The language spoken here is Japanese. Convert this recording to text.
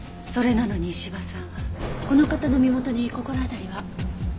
それなのに斯波さんは。この方の身元に心当たりは？